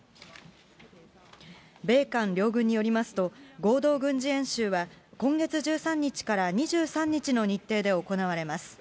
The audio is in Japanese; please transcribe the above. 米韓両軍によりますと、合同軍事演習は、今月１３日から２３日の日程で行われます。